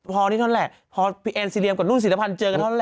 พอนี่เท่าเนี้ยพอพีเอียนสิทธิ์เรียมกว่าลุ่นศิลภัณฑ์เจอกันเท่าเนี้ย